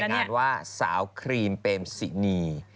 รายงานว่าสาวครีมเป็มศินีย์